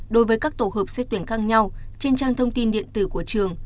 đối với các tổ hợp xét tuyển khác nhau trên trang thông tin điện tử của trường